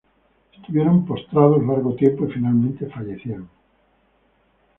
Estuvieron postrados largo tiempo y finalmente fallecieron.